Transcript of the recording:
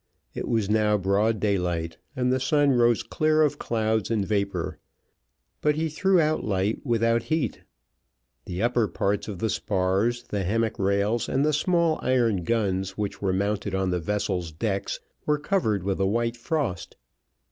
It was now broad daylight, and the sun rose clear of clouds and vapour; but he threw out light without heat. The upper parts of the spars, the hammock rails, and the small iron guns which were mounted on the vessel's decks, were covered with a white frost.